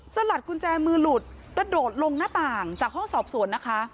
สลัดกุญแจมือหลุดกระโดดลงหน้าต่างจากห้องสอบสวนนะคะ